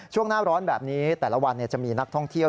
ช่วงหน้าร้อนแบบนี้แต่ละวันจะมีนักท่องเที่ยว